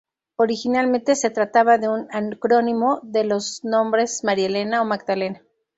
Originalmente se trataba de un acrónimo de los nombres "María Elena" o "Magdalena".